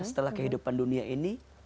setelah kehidupan dunia ini